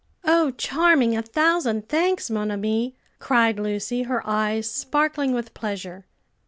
"Oh, charming! a thousand thanks, mon ami!" cried Lucy, her eyes sparkling with pleasure.